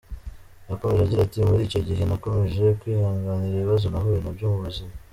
Yakomeje agira ati :« Muri icyo gihe, nakomeje kwihanganira ibibazo nahuye nabyo mu buzima.